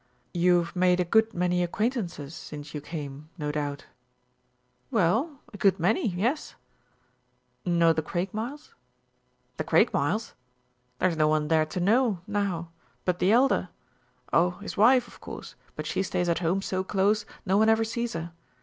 "You've made a good many acquaintances since you came, no doubt?" "Well a good many yes." "Know the Craigmiles?" "The Craigmiles? There's no one there to know now but the Elder. Oh, his wife, of course, but she stays at home so close no one ever sees her.